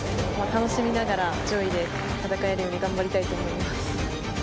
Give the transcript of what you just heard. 楽しみながら、上位で戦えるように頑張りたいと思います。